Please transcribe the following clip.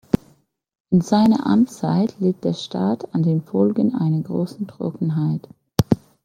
In seiner Amtszeit litt der Staat an den Folgen einer großen Trockenheit.